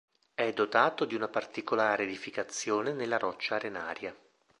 È dotato di una particolare edificazione nella roccia arenaria.